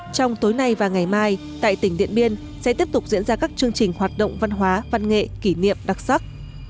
trong tối nay và ngày mai tại tỉnh điện biên sẽ tiếp tục diễn ra các chương trình hoạt động văn hóa văn nghệ kỷ niệm đặc sắc